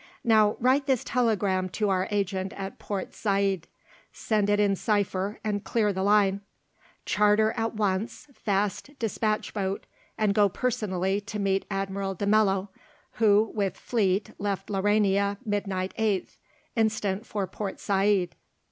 Now write this telegram to our agent at Port Said; send it in cipher and clear the line: _Charter at once fast despatch boat and go personally to meet Admiral de Mello, who with fleet left Laurania midnight 8th instant for Port Said.